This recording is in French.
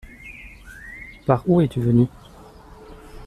Par où es-tu venu ?